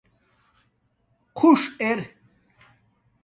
څݸݽ ار